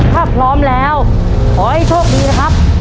ถ้าพร้อมแล้วขอให้โชคดีนะครับ